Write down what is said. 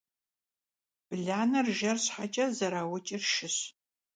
Blaner jjer şheç'e zerauç'ır şşış.